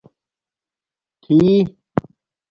تھئ